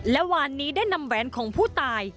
และวานนี้ได้นำแหวนของผู้ตาย